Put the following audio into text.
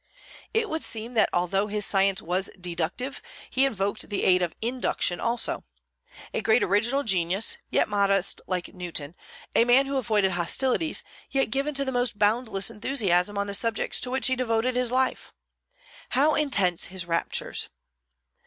It would seem that although his science was deductive, he invoked the aid of induction also: a great original genius, yet modest like Newton; a man who avoided hostilities, yet given to the most boundless enthusiasm on the subjects to which he devoted his life. How intense his raptures!